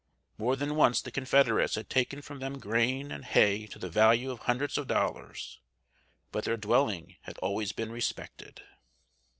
More than once the Confederates had taken from them grain and hay to the value of hundreds of dollars; but their dwelling had always been respected.